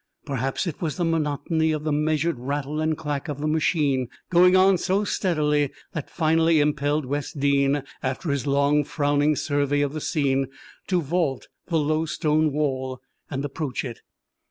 Perhaps it was the monotony of the measured rattle and clack of the machine going on so steadily that finally impelled Wes Dean, after his long frowning survey of the scene, to vault the low stone wall and approach it.